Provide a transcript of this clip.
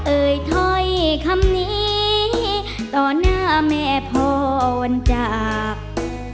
เอ่ยถ้อยคำนี้ต่อหน้าแม่พรจาก